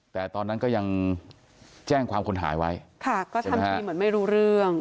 แต่ตอนนั้นก็ยังแจ้งความคนหายไว้ค่ะก็ทำทีเหมือนไม่รู้เรื่อง